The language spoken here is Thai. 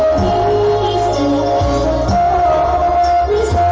เพลง